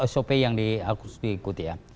sop yang diikuti ya